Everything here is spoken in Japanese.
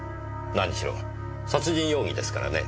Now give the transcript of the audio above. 何しろ殺人容疑ですからね。